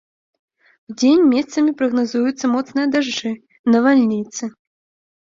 Удзень месцамі прагназуюцца моцныя дажджы, навальніцы.